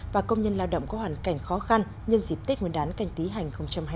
và công nhân lao động có hoàn cảnh khó khăn nhân dịp tết nguyên đán canh tí hành hai mươi